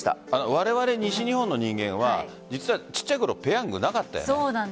われわれ、西日本の人間は実は小さいころペヤングなかったよね。